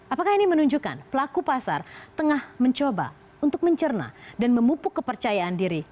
apakah ini menunjukkan pelaku pasar tengah mencoba untuk mencerna dan memupuk kepercayaan diri